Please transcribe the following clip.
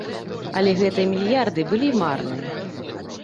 Але гэтыя мільярды былі марныя.